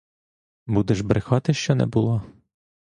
Будеш брехати, що не була?